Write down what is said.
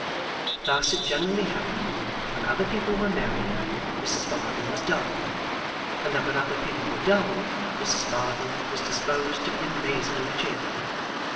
Thus it generally happened, that when other people were merry, Mrs Varden was dull; and that when other people were dull, Mrs Varden was disposed to be amazingly cheerful.